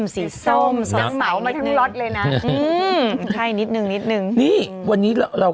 สีส้มสองเสามาทั้งล็อตเลยนะอืมใช่นิดนึงนิดนึงนี่วันนี้เราเรา